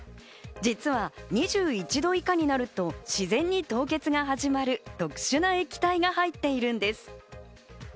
実は２１度以下になると自然に凍結が始まる特殊な液体が入っているんです。